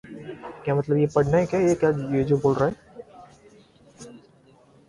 He died in Saint-Germain-en-Laye.